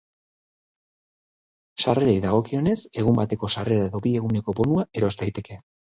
Sarrerei dagokienez, egun bateko sarrera edo bi eguneko bonua eros daiteke.